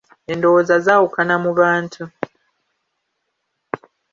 Endowooza zaawukana mu bantu.